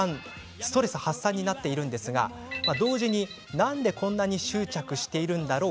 ストレス発散になっているのですが同時に、なんでこんなに執着しているんだろう？